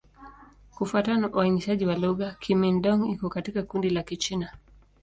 Kufuatana na uainishaji wa lugha, Kimin-Dong iko katika kundi la Kichina.